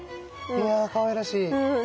いやかわいらしい。